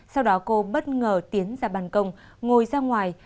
sau đó cô bất ngờ tiến ra bàn công ngồi ra ngoài